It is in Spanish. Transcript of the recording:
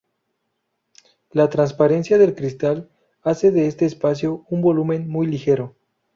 La transparencia del cristal hace de este espacio un volumen muy ligero.